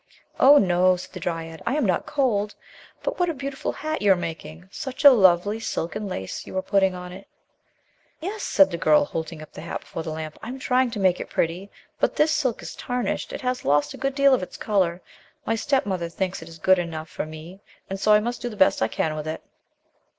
"Oh, no!" said the dryad, "lam not cold. But what a beautiful hat you are making! Such lovely silk and lace you are putting on it!" "Yes," said the girl, holding up the hat before the lamp, "I am trying to make it pretty, but this silk is tarnished; it has lost a good deal of its color. My stepmother thinks it is good enough for 16 THE LOST DRYAD me and so I must do the best lean with it."